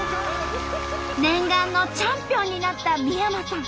念願のチャンピオンになった三山さん。